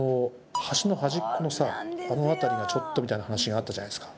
橋の端っこのさあの辺りがちょっとみたいな話があったじゃないですか。